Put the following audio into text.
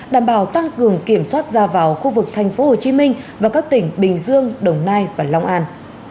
đảm bảo tăng cường kiểm soát ra vào khu vực thành phố hồ chí minh và các tỉnh bình dương đồng nai và nông an